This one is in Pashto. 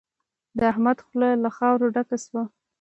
د احمد خوله له خاورو ډکه شوه.